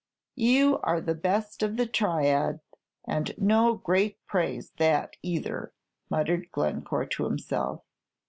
"You are the best of the triad, and no great praise that, either," muttered Glencore to himself.